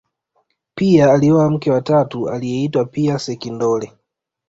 pia alioa mke wa tatu aliyeitwa pia sekindole